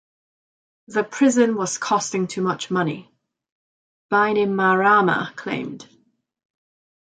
The prison was costing too much money, Bainimarama claimed.